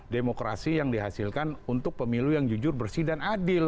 demokrasi yang dihasilkan untuk pemilu yang jujur bersih dan adil